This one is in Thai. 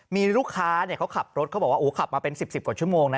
มีลูกค้าเขาขับรถเขาบอกว่าขับมาเป็น๑๐กว่าชั่วโมงนะ